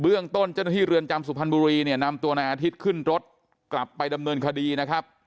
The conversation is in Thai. เรื่องต้นเจ้าหน้าที่เรือนจำสุพรรณบุรีเนี่ยนำตัวนายอาทิตย์ขึ้นรถกลับไปดำเนินคดีนะครับ